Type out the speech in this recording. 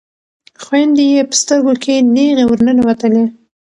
خویندې یې په سترګو کې نیغې ورننوتلې.